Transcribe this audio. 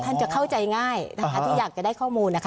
ท่านจะเข้าใจง่ายนะคะที่อยากจะได้ข้อมูลนะคะ